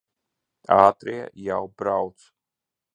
Ātrie jau brauc.